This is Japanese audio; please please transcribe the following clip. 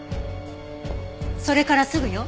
それからすぐよ